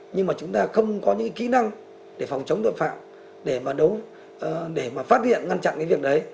nhưng mà chúng ta không có những kỹ năng để phòng chống tội phạm để mà phát hiện ngăn chặn cái việc đấy